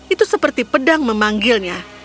itu seperti pedang memanggilnya